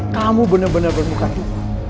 kamu bener bener bermuka jiwa